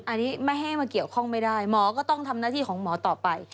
อันนี้ไม่ให้มาเกี่ยวข้องไม่ได้หมอก็ต้องทำหน้าที่ของหมอต่อไป